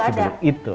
masih beli itu